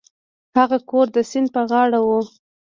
هغه کور د سیند په غاړه و.